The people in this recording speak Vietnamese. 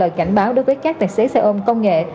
cảnh báo đối với các tài xế xe ôm công nghệ